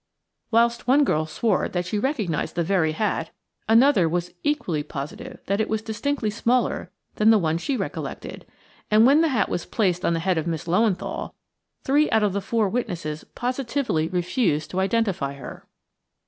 Whilst one girl swore that she recognised the very hat, another was equally positive that it was distinctly smaller than the one she recollected, and when the hat was placed on the head of Miss Löwenthal, three out of the four witnesses positively refused to identify her.